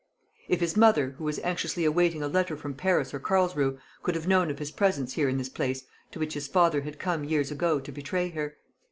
If his mother, who was anxiously awaiting a letter from Paris or Carlsruhe, could have known of his presence here in this place, to which his father had come years ago to betray her!